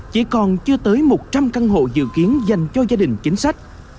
chỉ còn chưa tới một trăm linh căn hộ dự kiến dành cho gia đình chính sách